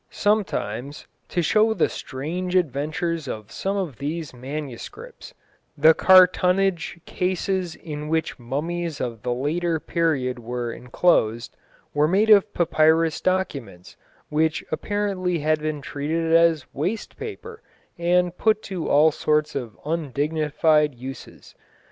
Sometimes to show the strange adventures of some of these manuscripts the cartonnage cases in which mummies of the later period were enclosed, were made of papyrus documents, which apparently had been treated as waste paper and put to all sorts of undignified uses.